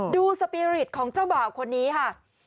สปีริตของเจ้าบ่าวคนนี้ค่ะ